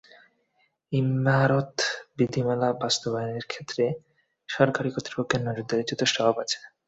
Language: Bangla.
ইমারত নির্মাণ বিধিমালা বাস্তবায়নের ক্ষেত্রে সরকারি কর্তৃপক্ষের নজরদারির যথেষ্ট অভাব রয়েছে।